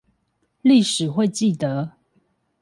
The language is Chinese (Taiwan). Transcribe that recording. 歷史會記得